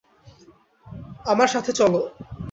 আমার সাথে চলো।